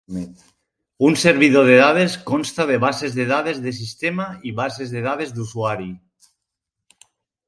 Un servidor de dades consta de bases de dades de sistema i bases de dades d'usuari.